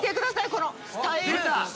このスタイル。